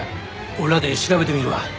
俺らで調べてみるわ。